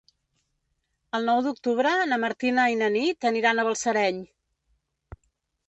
El nou d'octubre na Martina i na Nit aniran a Balsareny.